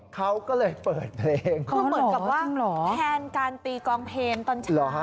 เขาก็เลยเปิดเพลงคือเหมือนกับว่าแทนการตีกองเพลงตอนเช้า